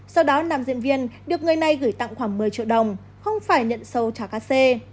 sau đó nam diễn viên được người này gửi tặng khoảng một mươi triệu đồng không phải nhận sâu trả các xe